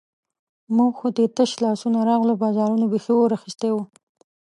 موږ خو ترې تش لاسونه راغلو، بازارونو بیخي اور اخیستی وو.